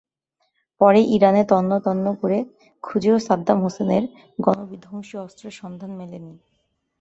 পরে ইরাকে তন্ন তন্ন করে খুঁজেও সাদ্দাম হোসেনের গণবিধ্বংসী অস্ত্রের সন্ধান মেলেনি।